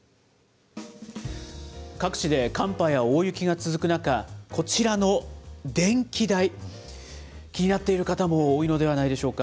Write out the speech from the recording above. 各地で寒波や大雪が続く中、こちらの電気代、気になっている方も多いのではないでしょうか。